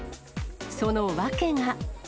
その訳が。